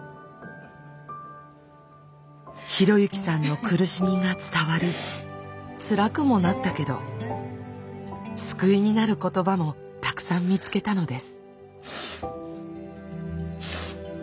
啓之さんの苦しみが伝わりつらくもなったけど救いになる言葉もたくさん見つけたのです。